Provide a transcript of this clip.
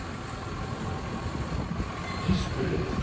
「ディスプレイ」ですか？